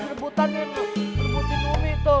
rebutan yang mereputin umi tuh